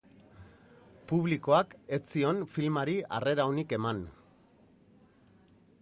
Publikoak ez zion filmari harrera onik eman.